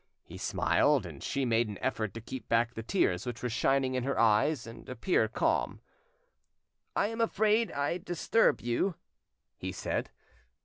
He smiled, and she made an effort to keep back the tears which were shining in her eyes, and to appear calm. "I am afraid I disturb you," he said.